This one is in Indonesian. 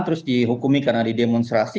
terus dihukumi karena didemonstrasi